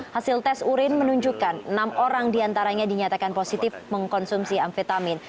hasil tes urin menunjukkan enam orang diantaranya dinyatakan positif mengkonsumsi amfetamin